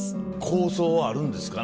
構想はあるんですか？